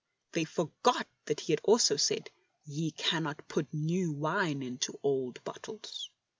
They forgot that He had also said: " Ye cannot put new wine into old bottles."